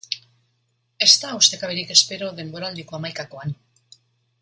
Ez da ustekaberik espero denboraldiko hamaikakoan.